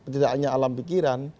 tidak hanya alam pikiran